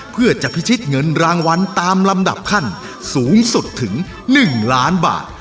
เพื่อจะพิชิตเงินรางวัลตามลำดับขั้นสูงสุดถึง๑ล้านบาท